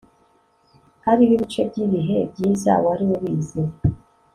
hariho ibice byibihe byiza wari ubizi